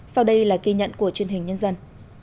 sau đây là kỳ nhận của truyền hình nhân dân